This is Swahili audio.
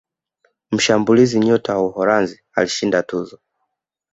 mshambulizi nyota wa uholanzi alishinda tuzo